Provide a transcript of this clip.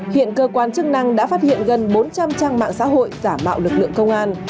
hiện cơ quan chức năng đã phát hiện gần bốn trăm linh trang mạng xã hội giả mạo lực lượng công an